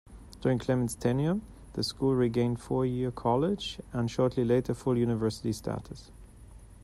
During Clement's tenure, the school regained four-year college, and shortly later, full university status.